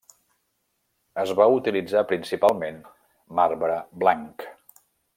Es va utilitzar principalment marbre blanc.